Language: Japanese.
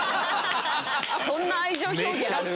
そんな愛情表現ある？